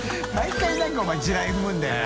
莢何かお前地雷踏むんだよな。